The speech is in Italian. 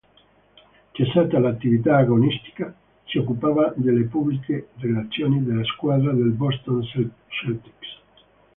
Cessata l'attività agonistica si occupava delle pubbliche relazioni della squadra dei Boston Celtics.